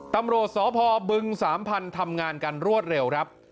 ตำรวจสพบึงสามพันธุ์ทำงานกันรวดเร็วครับ